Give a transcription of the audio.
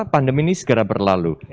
pandemi ini segera berlalu